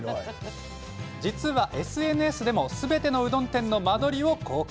実は、ＳＮＳでもすべてのうどん店の間取りを公開。